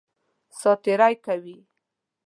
سات تېری کوي.